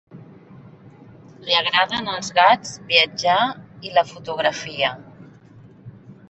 Li agraden els gats, viatjar i la fotografia.